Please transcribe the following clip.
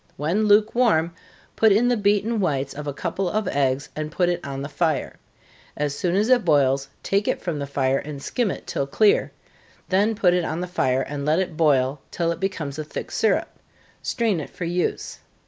When lukewarm, put in the beaten whites of a couple of eggs, and put it on the fire. As soon as it boils, take it from the fire, and skim it till clear then put it on the fire, and let it boil till it becomes a thick syrup strain it for use.